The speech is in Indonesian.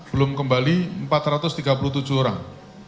belum kembali empat ratus tiga puluh tujuh orang